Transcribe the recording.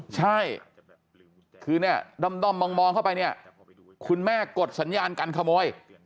ใช่คือเนี่ยด้อมมองเข้าไปเนี่ยคุณแม่กดสัญญาการขโมย